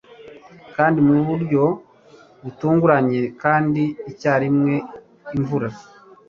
kandi mu buryo butunguranye, kandi icyarimwe, imvura